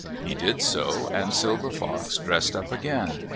He did so, and Silver Fox dressed up again.